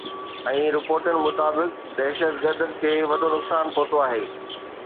۽ رپورٽن مطابق دهشتگردن کي وڏو نقصان پهتو آهي.